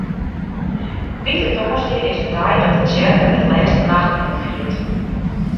Wite Tongersdei is de dei dat de tsjerke it Lêste Nachtmiel fiert.